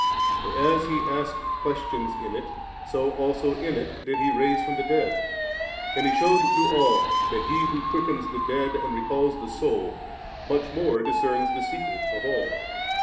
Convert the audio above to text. For as He asked questions in it, so also in it did He raise the dead ; and He shewed to all that He who quickens the dead and recalls the soul, modi more discerns the secret of all.